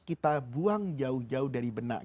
kita buang jauh jauh dari benak